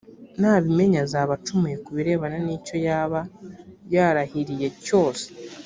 nabimenya azaba acumuye ku birebana n icyo yaba yarahiriye cyose